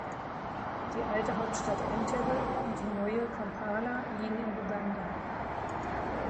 Die alte Hauptstadt Entebbe und die neue Kampala liegen in Buganda.